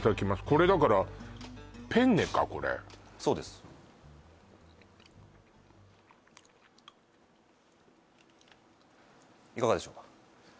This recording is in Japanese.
これだからそうですいかがでしょうか？